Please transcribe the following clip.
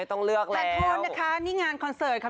โทษนะคะนี่งานคอนเสิร์ตค่ะ